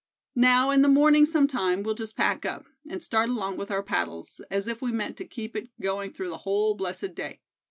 Now, in the morning, sometime, we'll just pack up, and start along with our paddles, as if we meant to keep it going through the whole blessed day.